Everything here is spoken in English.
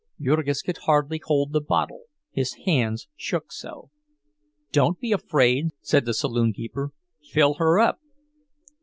Jurgis could hardly hold the bottle, his hands shook so. "Don't be afraid," said the saloon keeper, "fill her up!"